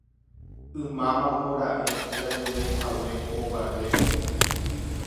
ymáma mbora'e ndajuveihague ko Barrerope